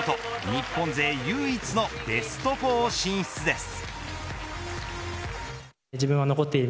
日本勢唯一のベスト４進出です。